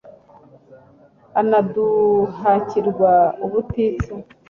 anaduhakirwa ubutitsa